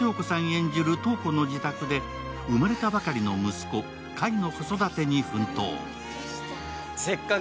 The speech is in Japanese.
演じる瞳子の自宅で生まれたばかりの息子・海の子育てに奮闘。